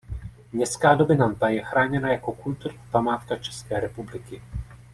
Městská dominanta je chráněna jako kulturní památka České republiky.